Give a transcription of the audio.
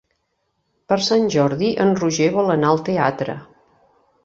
Per Sant Jordi en Roger vol anar al teatre.